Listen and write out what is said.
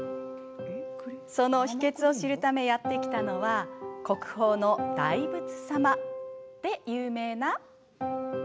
その秘けつを知るためやって来たのは国宝の大仏様で有名な神奈川の鎌倉。